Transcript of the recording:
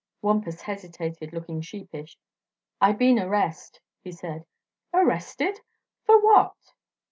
Wampus hesitated, looking sheepish. "I been arrest," he said. "Arrested! For what?"